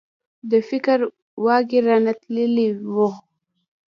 د فکر واګي رانه تللي وو.